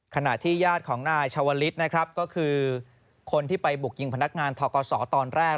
ขณะที่ญาติของนายชาวลิศนะครับก็คือคนที่ไปบุกยิงพนักงานทกศตอนแรก